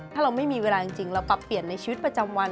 ถ้าเราไม่มีเวลาจริงเราปรับเปลี่ยนในชีวิตประจำวัน